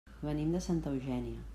Venim de Santa Eugènia.